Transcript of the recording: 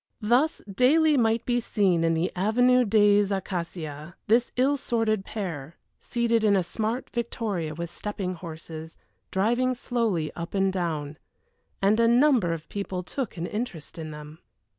Thus, daily might be seen in the Avenue des Acacias this ill assorted pair, seated in a smart victoria with stepping horses, driving slowly up and down. And a number of people took an interest in them.